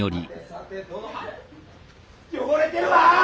汚れてるわ。